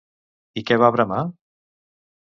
I què va bramar?